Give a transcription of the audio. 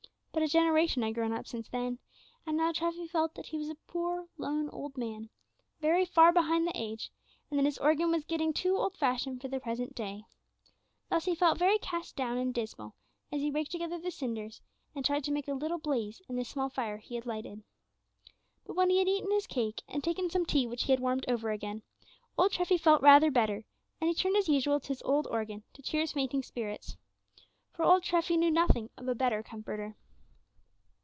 But a generation had grown up since then, and now Treffy felt that he was a poor, lone old man, very far behind the age, and that his organ was getting too old fashioned for the present day. Thus he felt very cast down and dismal, as he raked together the cinders, and tried to make a little blaze in the small fire he had lighted. But when he had eaten his cake, and had taken some tea which he had warmed over again, old Treffy felt rather better, and he turned as usual to his old organ to cheer his fainting spirits. For old Treffy knew nothing of a better Comforter.